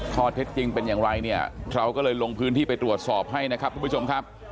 ข้อเท็จจริงเป็นอย่างไรเนี่ยเขาก็เลยลงพื้นที่ไปตรวจสอบให้นะครับ